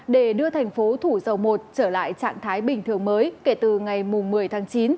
để đưa thành phố thủ dầu một trở lại trạng thái bình thường mới kể từ ngày một mươi tháng chín